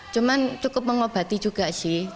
cuman cukup mengobati juga sih